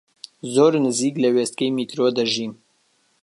زۆر نزیک لە وێستگەی میترۆ دەژیم.